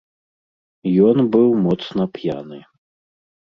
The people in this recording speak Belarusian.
Ён быў моцна п'яны.